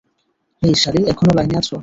হেই, Sally, এখনো লাইনে আছো?